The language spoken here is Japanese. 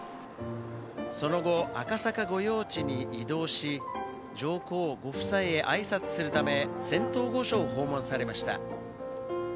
その後、赤坂御用地に移動し、上皇ご夫妻へあいさつするため、仙洞御所を訪問されました。